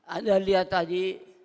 anda lihat tadi